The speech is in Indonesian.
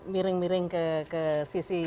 miring miring ke sisi